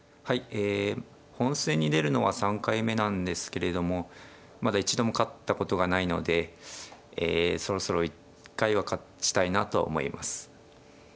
え本戦に出るのは３回目なんですけれどもまだ一度も勝ったことがないのでえそろそろ一回は勝ちたいなと思います。